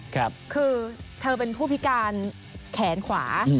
คือเธอเป็นผู้พิการแขนขวา